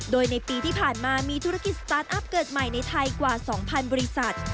โดยในปีที่ผ่านมามีธุรกิจสตาร์ทอัพเกิดใหม่ในไทยกว่า๒๐๐บริษัท